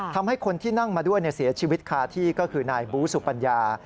ทำให้คนที่นั่งมาด้วยเสียชีวิตคาที่ก็คือนายบูสุปัญญา